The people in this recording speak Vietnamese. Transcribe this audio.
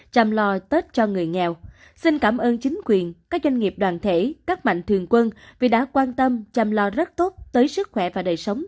cảm ơn các doanh nghiệp đoàn thể các mạnh thường quân vì đã quan tâm chăm lo rất tốt tới sức khỏe và đời sống